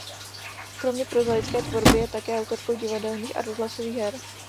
Kromě prozaické tvorby je také autorkou divadelních a rozhlasových her.